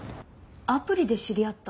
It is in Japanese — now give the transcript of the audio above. アプリで知り合った？